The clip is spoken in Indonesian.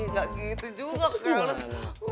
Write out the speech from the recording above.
ih gak gitu juga